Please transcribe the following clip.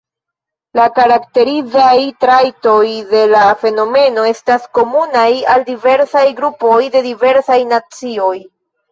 La karakterizaj trajtoj de la fenomeno estas komunaj al diversaj grupoj de diversaj nacioj.